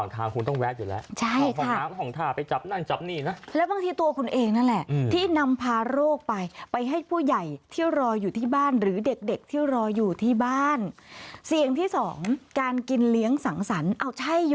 ท่านรองค์ของที่มศุลมีดี้บอกว่าอวย๕๐๐กลายเถอะ